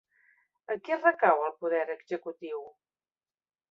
En qui recau el poder executiu?